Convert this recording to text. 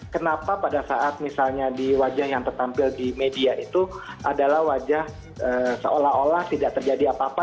kenapa pada saat misalnya di wajah yang tertampil di media itu adalah wajah seolah olah tidak terjadi apa apa